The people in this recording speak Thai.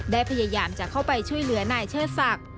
ได้พยายามจะเข้าไปช่วยเหลือนายเชิดศักดิ์